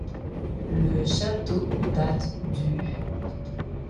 Le château date du --.